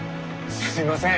すいません。